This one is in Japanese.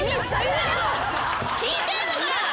聞いてんのか！